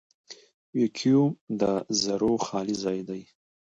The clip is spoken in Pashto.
ویکیوم د ذرّو خالي ځای دی.